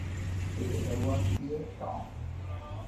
Creator was Piet Ton.